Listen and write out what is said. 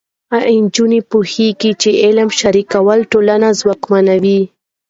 ایا نجونې پوهېږي چې علم شریکول ټولنه ځواکمنوي؟